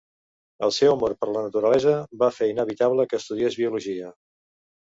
El seu amor per la naturalesa va fer inevitable que estudiés biologia